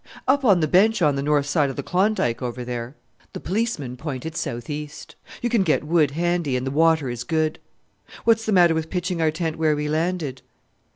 "Up on the bench on the north side of the Klondike over there." The policeman pointed south east. "You can get wood handy, and the water is good." "What's the matter with pitching our tent where we landed?"